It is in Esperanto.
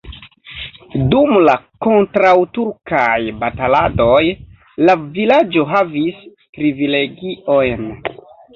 Dum la kontraŭturkaj bataladoj la vilaĝo havis privilegiojn.